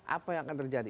apa yang akan terjadi